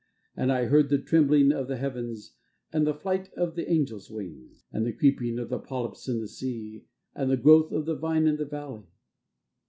And I heard the trembling of the heavens And the flight of the angel's wings, And the creeping of the polyps in the sea, And the growth of the vine in the valley.